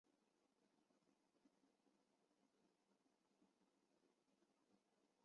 伊斯兰世界香炉形状通常是山猫形状的。